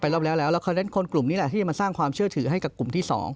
รอบแล้วแล้วเขาเน้นคนกลุ่มนี้แหละที่จะมาสร้างความเชื่อถือให้กับกลุ่มที่๒